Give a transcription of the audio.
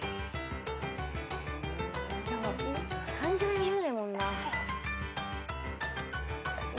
でも漢字が読めないもんな。